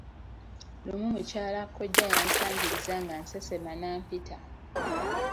Lumu mukyala kkojja yansangiriza nga nsesema n'ampita.